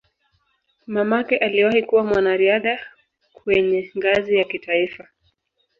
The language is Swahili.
Mamake aliwahi kuwa mwanariadha kwenye ngazi ya kitaifa.